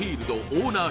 オーナー